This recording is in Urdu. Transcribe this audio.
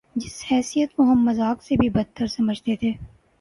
جس حیثیت کو ہم مذاق سے بھی بد تر سمجھتے تھے۔